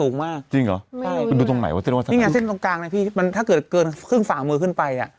นี่ไงเส้นตรงกลางน่ะพี่มันถ้าเกิดเกินครึ่งฝ่ามือขึ้นไปอ่ะ